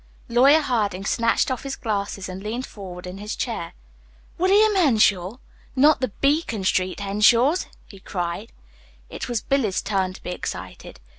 Lawyer Harding snatched off his glasses, and leaned forward in his chair. "William Henshaw! Not the Beacon Street Henshaws!" he cried. It was Billy's turn to be excited.